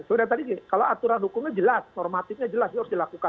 sudah tadi kalau aturan hukumnya jelas normatifnya jelas itu harus dilakukan